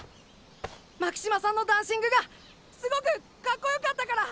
巻島さんのダンシングがすごくカッコよかったから。